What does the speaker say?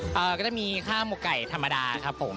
แล้วก็จะมีข้าวหมกไก่ธรรมดาครับผม